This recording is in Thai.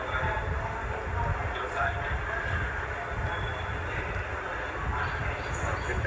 มันจะวัดเรียวไหม